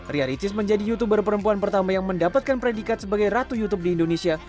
ria ricis menjadi youtuber perempuan pertama yang mendapatkan predikat sebagai ratu youtube di indonesia